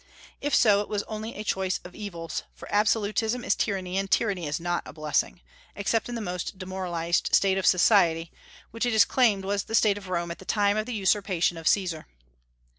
If so, it was only a choice of evils, for absolutism is tyranny, and tyranny is not a blessing, except in a most demoralized state of society, which it is claimed was the state of Rome at the time of the usurpation of Caesar.